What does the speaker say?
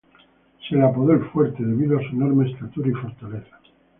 Se le apodó "el Fuerte" debido a su enorme estatura y fortaleza.